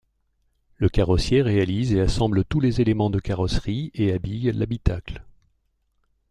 Le carrossier réalise et assemble tous les éléments de carrosserie et habille l'habitacle.